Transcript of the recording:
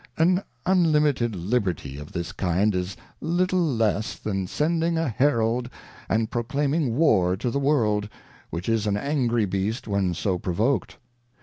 lAn unlimited Liberty of this kind is little less than sending a Herald and proclaiming War to the World, which is an angry Beast when so provoked.